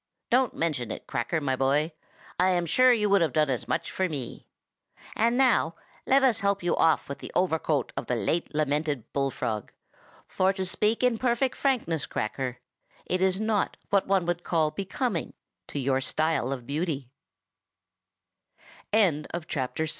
Don't mention it, Cracker, my boy! I am sure you would have done as much for me. And now let us help you off with the overcoat of the late lamented Bullfrog; for to speak in perfect frankness, Cracker, it is not what one would call becoming to